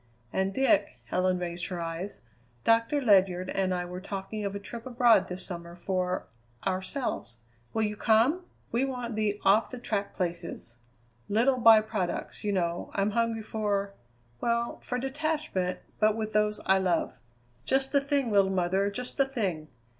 "And Dick," Helen raised her eyes, "Doctor Ledyard and I were talking of a trip abroad this summer for ourselves. Will you come? We want the off the track places. Little by products, you know. I'm hungry for well, for detachment; but with those I love." "Just the thing, little mother, just the thing!"